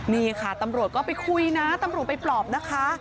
นี่ค่ะตำรวจก็ไปคุยนะตำรวจไปปลอบนะคะ